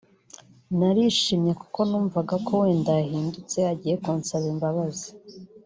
narishimye kuko numvaga ko wenda yahindutse agiye kunsaba imbabazi